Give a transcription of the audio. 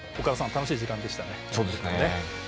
楽しい時間でしたね。